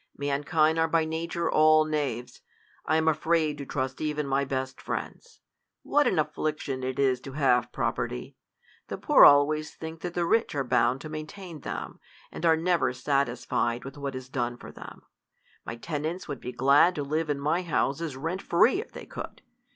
Mankind are by nature all knaves. I am afraid to trust even my best friends. What an af fliction it is to have property ! The poor always think that the rich are bound to maintain them, and are never satisfied with what is done for them. My ten ants would be glad to live in my houses rent keQ if they could.